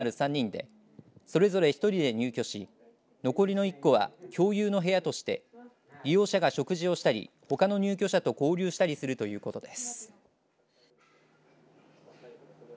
入居するのは知的障害がある３人でそれぞれ１人で入居し残りの１戸は共有の部屋として利用者が食事をしたりほかの入居者と交流したりするということです。